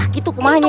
gitu mah nyai